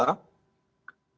perkembangan perintahan kita